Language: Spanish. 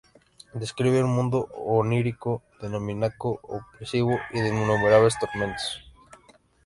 Describe un mundo onírico, demoníaco, opresivo y de innumerables tormentos.